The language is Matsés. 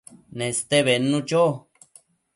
Neste bednu cho